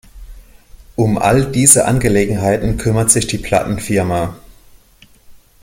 Um all diese Angelegenheiten kümmert sich die Plattenfirma.